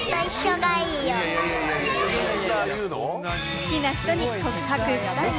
好きな人に告白したい？